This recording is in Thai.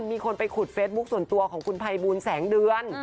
มีคนไปขุดเฟซบุ๊คส่วนตัวของคุณภัยบูลแสงเดือน